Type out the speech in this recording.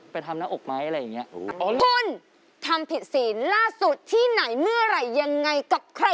พูดปฏิใช่ครับ